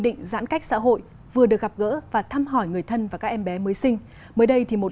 định giãn cách xã hội vừa được gặp gỡ và thăm hỏi người thân và các em bé mới sinh mới đây thì một